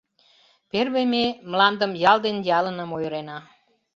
Первый ме мландым ял ден ялыным ойырена.